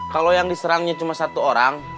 kalau yang diserangnya cuma satu orang